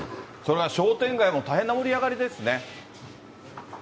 商店街も大変な盛り上がりですね。